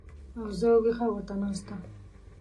او زه وېښه ورته ناسته